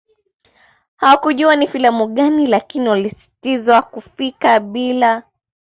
Hawakujua ni filamu gani lakini walisisitizwa kufika bila